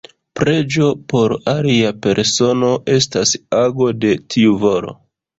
Preĝo por alia persono estas ago de tiu volo.